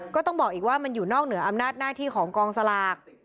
ก็ต้องบอกอีกว่ามันอยู่นอกเหนืออำนาจหน้าที่ของกองสลาก